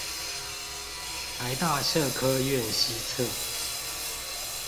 臺大社科院西側